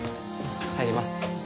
入ります。